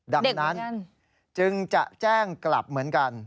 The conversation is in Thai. เด็กเหมือนกันดังนั้นจึงจะแจ้งกลับเหมือนกัน